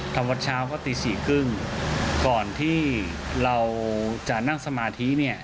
ทำวัดเช้าก็ตี๔๓๐ก่อนที่เราจะนั่งสมาธิ